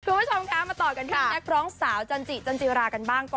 คุณผู้ชมคะมาต่อกันที่นักร้องสาวจันจิจันจิรากันบ้าง